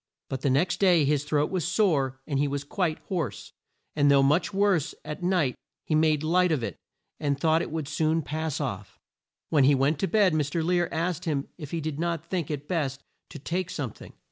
But the next day his throat was sore and he was quite hoarse; and though much worse at night he made light of it and thought it would soon pass off. When he went to bed Mr. Lear asked him if he did not think it best to take some thing.